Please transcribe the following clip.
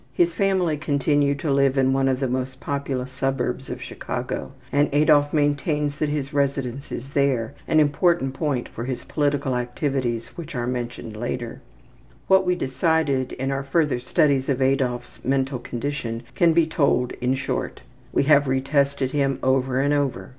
His family continued to live in one of the most populous suburbs of Chicago and Adolf maintains that his residence is there, an important point for his political activities which are mentioned later. What we discovered in our further studies of Adolf's mental condition can be told in short. We have retested him over and over.